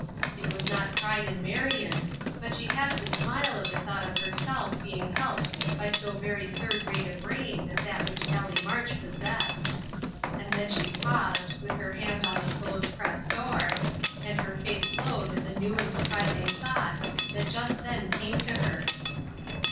It was not pride in Marion, but she had to smile at the thought of herself being helped by so very third rate a brain as that which Allie March possessed. And then she paused, with her hand on the clothes press door, and her face glowed at the new and surprising thought that just then came to her.